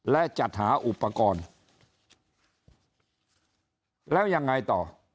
และจัดหาอุปกรณ์แล้วยังไงต่อ